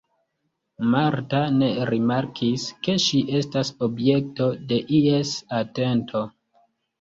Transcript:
Marta ne rimarkis, ke ŝi estas objekto de ies atento.